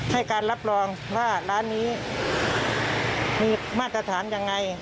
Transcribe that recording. ให้การรับรองว่าร้านนี้มีมาตรฐานยังไง